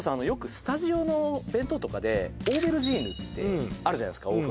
よくスタジオの弁当とかでオーベルジーヌってあるじゃないですか